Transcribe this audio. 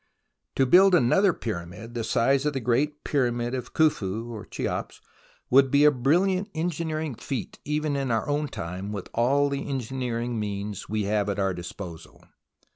To build another pyramid the size of the Great THE ROMANCE OF EXCAVATION 59 Pyramid of Khufu or Cheops would be a brilliant engineering feat even in our time, with all the engineering means we have at our disposal.